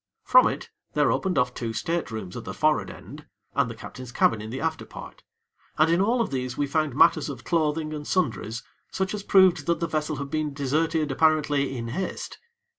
From it there opened off two state rooms at the forrard end, and the captain's cabin in the after part, and in all of these we found matters of clothing and sundries such as proved that the vessel had been deserted apparently in haste.